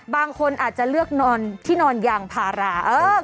บางคนอาจจะเลือกนอนที่นอนยางพารา